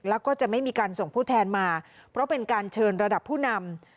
แล้วก็จะไม่มีการส่งผู้แทนมาเพราะเป็นการเชิญระดับผู้นำ